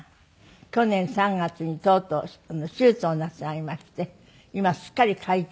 去年３月にとうとう手術をなさいまして今すっかり快調。